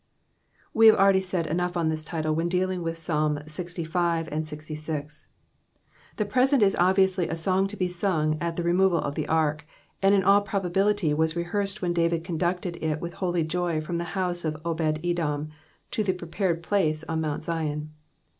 — We have abrtady said enough upon this iUU when dealing with Psalms LX V. and LX VI. The present is ohvUmsly a song to be stmg at the retnoixd of the ark ; and in all probability was rehearsed when David conducted U with holy joy from the house of Obed edom to the prepared place on Mount Zion.